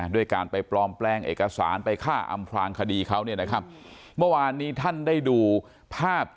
ด้วยการไปปลอมแปลงเอกสารไปฆ่าอำพลางคดีเขานี่นะครับ